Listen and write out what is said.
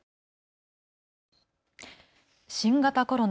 新型コロナ。